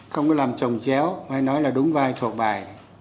không có làm trồng chéo hay nói là đúng vai thuộc bài